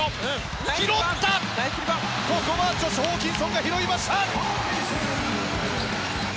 ここはジョシュ・ホーキンソンが拾いました！